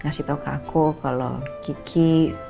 ngasih tau ke aku kalau gigi